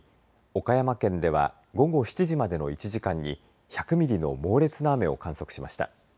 岡山県では午後７時までの１時間に１００ミリの猛烈な雨を観測しました。